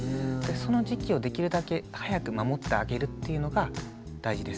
その時期をできるだけ早く守ってあげるっていうのが大事です。